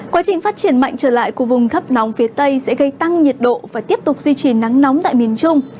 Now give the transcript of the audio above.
quá trình phát triển mạnh trở lại của vùng thấp nóng phía tây sẽ gây tăng nhiệt độ và tiếp tục duy trì nắng nóng tại miền trung